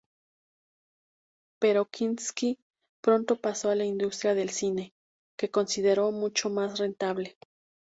Pero Kinski pronto pasó a la industria del cine, que consideró mucho más rentable.